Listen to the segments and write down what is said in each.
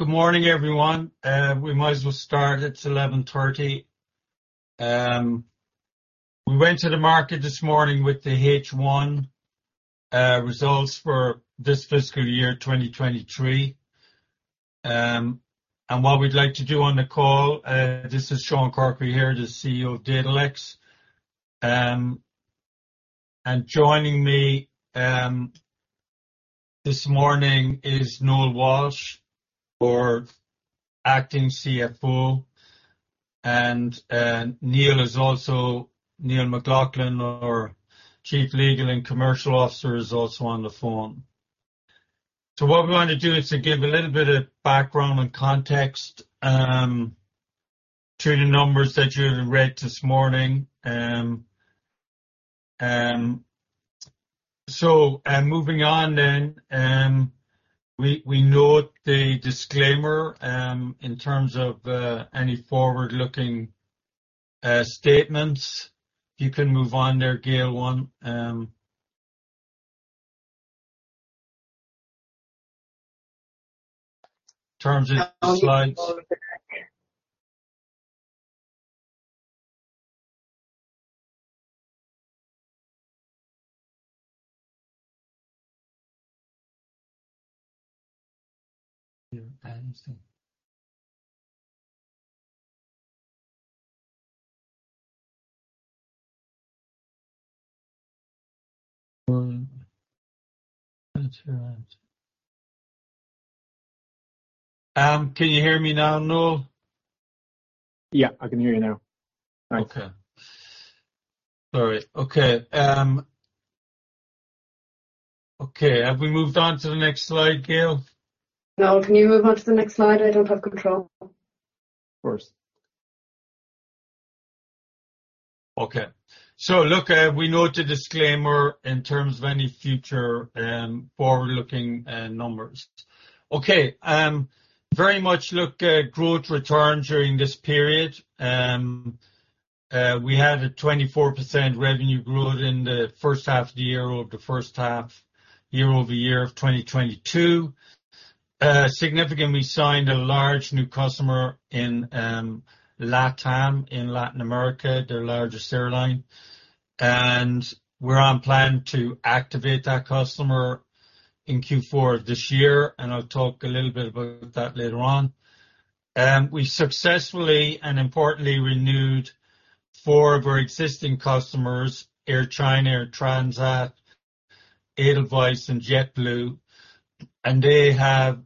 Good morning, everyone. We might as well start, it's 11:30 A.M. We went to the market this morning with the H1 results for this fiscal year, 2023. And what we'd like to do on the call, this is Sean Corkery here, the CEO of Datalex. And joining me this morning is Noel Walsh, our acting CFO, and Neil McLoughlin, our Chief Legal and Commercial Officer, is also on the phone. So what we're going to do is to give a little bit of background and context to the numbers that you read this morning. So, moving on then, we note the disclaimer in terms of any forward-looking statements. You can move on there, Gail, one, in terms of slides. Can you hear me now, Noel? Yeah, I can hear you now. Thanks. Okay. Sorry. Okay, have we moved on to the next slide, Gail? Noel, can you move on to the next slide? I don't have control. Of course. Okay. So look, we note the disclaimer in terms of any future, forward-looking, numbers. Okay, very much look at growth return during this period. We had a 24% revenue growth in the first half of the year, over the first half, year-over-year of 2022. Significantly, signed a large new customer in, LATAM, in Latin America, their largest airline. And we're on plan to activate that customer in Q4 of this year, and I'll talk a little bit about that later on. We successfully, and importantly, renewed four of our existing customers, Air China, Air Transat, Edelweiss, and JetBlue. And they have,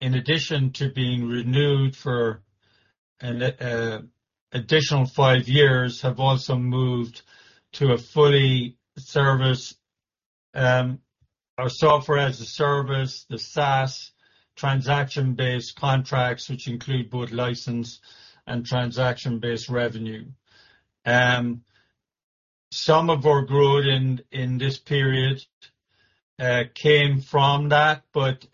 in addition to being renewed for an, additional 5 years, have also moved to a fully service, our software as a service, the SaaS, transaction-based contracts, which include both license and transaction-based revenue. Some of our growth in this period came from that, but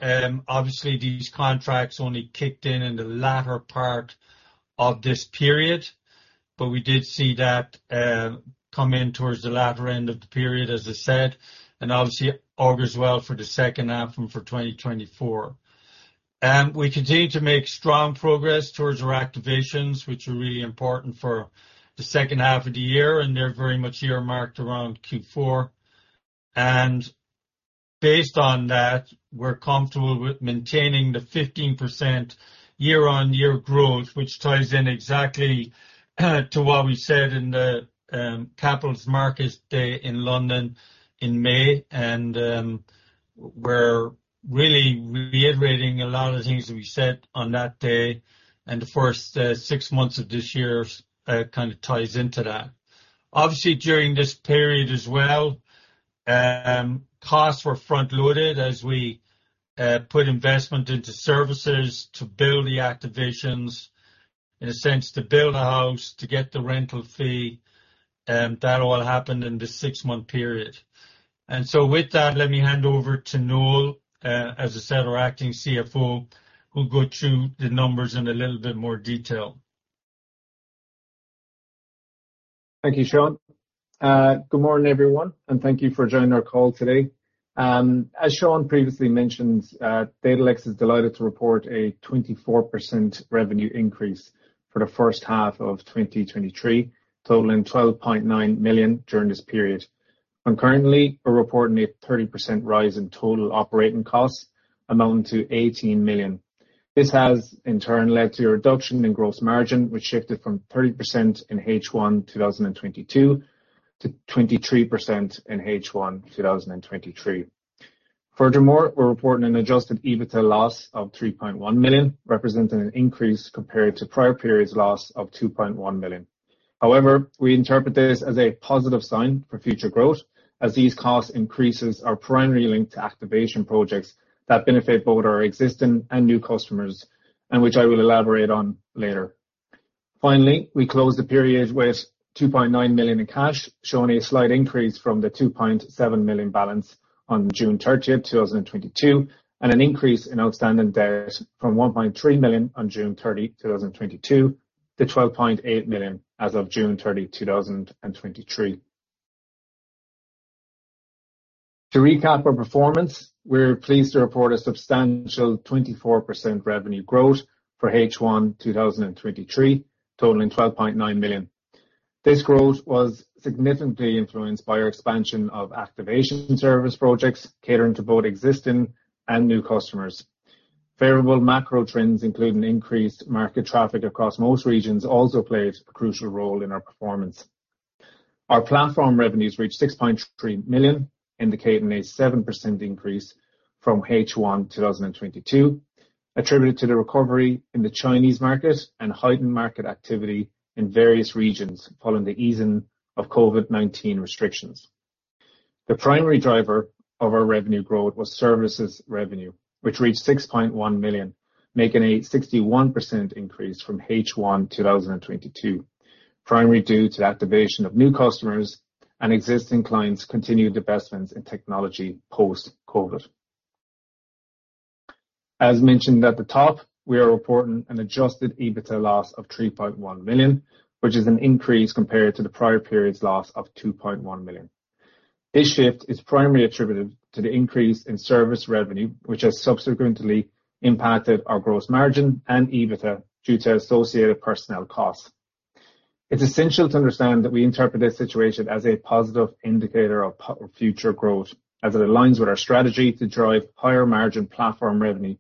obviously, these contracts only kicked in in the latter part of this period. We did see that come in towards the latter end of the period, as I said, and obviously augurs well for the second half and for 2024. We continue to make strong progress towards our activations, which are really important for the second half of the year, and they're very much earmarked around Q4. Based on that, we're comfortable with maintaining the 15% year-on-year growth, which ties in exactly to what we said in the Capital Markets Day in London in May. We're really reiterating a lot of the things that we said on that day, and the first six months of this year kind of ties into that. Obviously, during this period as well, costs were front-loaded as we put investment into services to build the activations, in a sense, to build a house, to get the rental fee, that all happened in this six-month period. And so with that, let me hand over to Noel, as I said, our Acting CFO, who'll go through the numbers in a little bit more detail. Thank you, Sean. Good morning, everyone, and thank you for joining our call today. As Sean previously mentioned, Datalex is delighted to report a 24% revenue increase for the first half of 2023, totaling $12.9 million during this period. Concurrently, we're reporting a 30% rise in total operating costs, amounting to $18 million. This has, in turn, led to a reduction in gross margin, which shifted from 30% in H1 2022 to 23% in H1 2023. Furthermore, we're reporting an Adjusted EBITDA loss of $3.1 million, representing an increase compared to prior period's loss of $2.1 million. However, we interpret this as a positive sign for future growth, as these cost increases are primarily linked to activation projects that benefit both our existing and new customers, and which I will elaborate on later. Finally, we closed the period with $2.9 million in cash, showing a slight increase from the $2.7 million balance on June 30, 2022, and an increase in outstanding debt from $1.3 million on June 30, 2022, to $12.8 million as of June 30, 2023. To recap our performance, we're pleased to report a substantial 24% revenue growth for H1 2023, totaling $12.9 million. This growth was significantly influenced by our expansion of activation service projects, catering to both existing and new customers. Favorable macro trends, including increased market traffic across most regions, also played a crucial role in our performance. Our platform revenues reached $6.3 million, indicating a 7% increase from H1 2022, attributed to the recovery in the Chinese market and heightened market activity in various regions following the easing of COVID-19 restrictions. The primary driver of our revenue growth was services revenue, which reached $6.1 million, making a 61% increase from H1 2022. Primarily due to activation of new customers and existing clients continued investments in technology post-COVID. As mentioned at the top, we are reporting an adjusted EBITDA loss of $3.1 million, which is an increase compared to the prior period's loss of $2.1 million. This shift is primarily attributed to the increase in service revenue, which has subsequently impacted our gross margin and EBITDA due to associated personnel costs. It's essential to understand that we interpret this situation as a positive indicator of future growth, as it aligns with our strategy to drive higher margin platform revenue,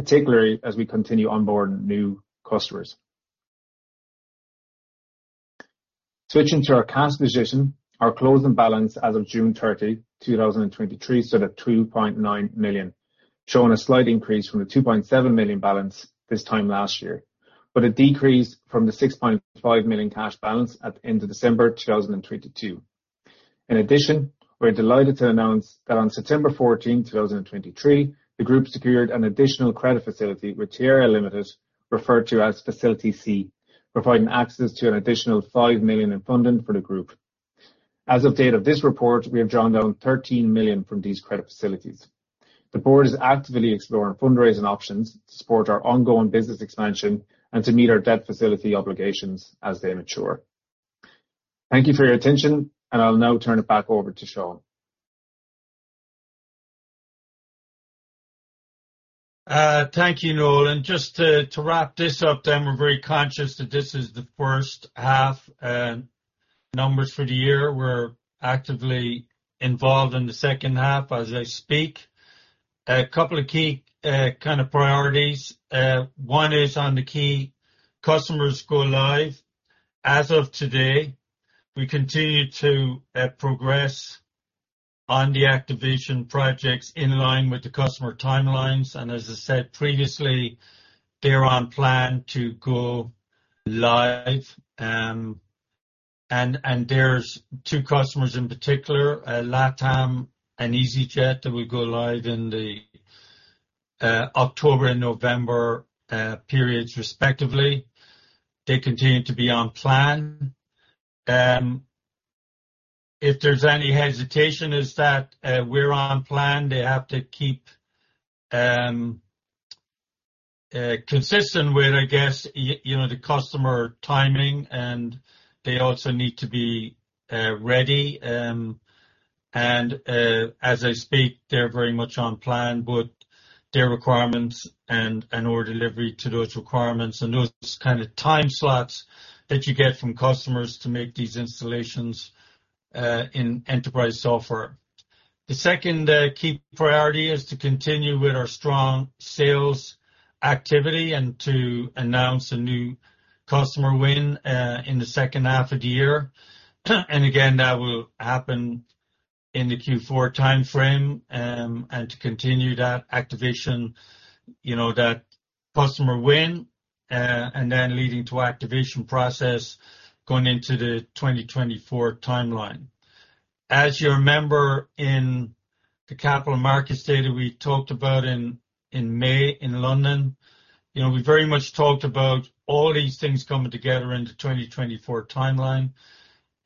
particularly as we continue onboarding new customers. Switching to our cash position, our closing balance as of June 30, 2023, stood at $2.9 million, showing a slight increase from the $2.7 million balance this time last year, but a decrease from the $6.5 million cash balance at the end of December 2022. In addition, we're delighted to announce that on September 14, 2023, the group secured an additional credit facility with Tireragh Limited, referred to as Facility C, providing access to an additional $5 million in funding for the group. As of date of this report, we have drawn down $13 million from these credit facilities. The board is actively exploring fundraising options to support our ongoing business expansion and to meet our debt facility obligations as they mature. Thank you for your attention, and I'll now turn it back over to Sean. Thank you, Noel. Just to wrap this up, then we're very conscious that this is the first half numbers for the year. We're actively involved in the second half as I speak. A couple of key kind of priorities. One is on the key customers go live. As of today, we continue to progress on the activation projects in line with the customer timelines, and as I said previously, they're on plan to go live. There's two customers in particular, LATAM and easyJet, that will go live in the October and November periods, respectively. They continue to be on plan. If there's any hesitation, is that we're on plan, they have to keep consistent with, I guess, you know, the customer timing, and they also need to be ready. As I speak, they're very much on plan with their requirements and our delivery to those requirements and those kind of time slots that you get from customers to make these installations in enterprise software. The second key priority is to continue with our strong sales activity and to announce a new customer win in the second half of the year. Again, that will happen in the Q4 timeframe, you know, and to continue that activation, you know, that customer win, and then leading to activation process going into the 2024 timeline. As you remember, in the capital markets data we talked about in May, in London, you know, we very much talked about all these things coming together in the 2024 timeline.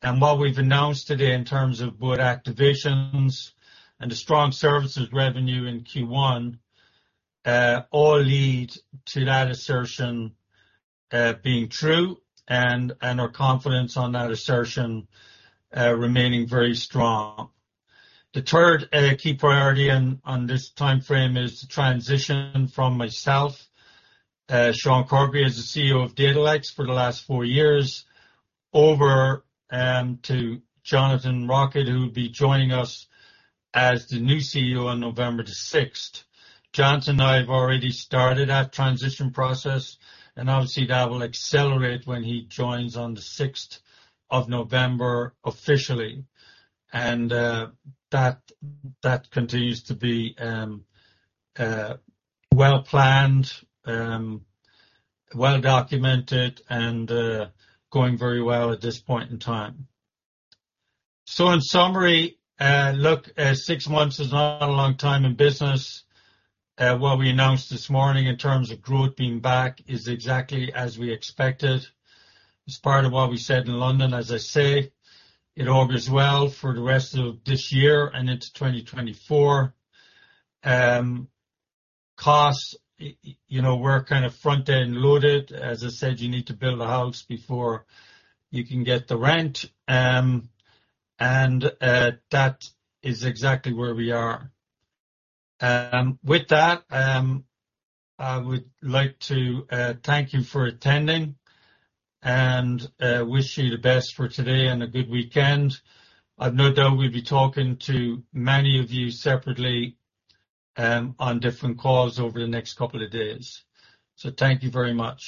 And what we've announced today in terms of both activations and the strong services revenue in Q1, all lead to that assertion being true, and our confidence on that assertion remaining very strong. The third key priority on this timeframe is to transition from myself, Sean Corkery, as the CEO of Datalex for the last four years, over to Jonathan Rockett, who will be joining us as the new CEO on November the sixth. Jonathan and I have already started that transition process, and obviously, that will accelerate when he joins on the sixth of November, officially. And that continues to be well-planned, well-documented, and going very well at this point in time. So in summary, look, six months is not a long time in business. What we announced this morning in terms of growth being back is exactly as we expected. It's part of what we said in London, as I say, it augurs well for the rest of this year and into 2024. Costs, you know, we're kind of front-end loaded. As I said, you need to build a house before you can get the rent. And that is exactly where we are. With that, I would like to thank you for attending and wish you the best for today and a good weekend. I've no doubt we'll be talking to many of you separately on different calls over the next couple of days. So thank you very much.